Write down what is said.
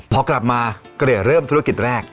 พอกลับมาเกลี่ยเริ่มธุรกิจแรก